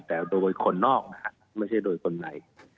แต่โดยคนนอกนะฮะไม่ใช่โดยคนใน